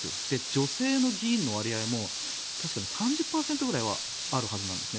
女性の議員の割合も確か３０％ぐらいはあるはずなんです。